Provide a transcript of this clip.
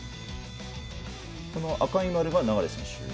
この赤い丸が流選手。